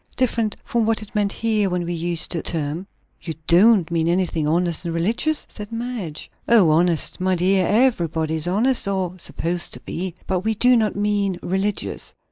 "Different from what is meant here, when we use the term." "You don't mean anything honest and religious?" said Madge. "O, honest! My dear, everybody is honest, or supposed to be; but we do not mean religious."